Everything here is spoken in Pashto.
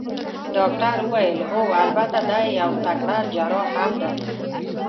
ډاکټر وویل: هو، البته دی یو تکړه جراح هم دی.